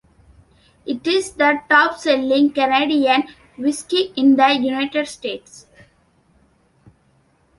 It is the top-selling Canadian whisky in the United States.